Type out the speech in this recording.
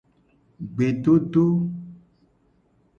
Gbedodo.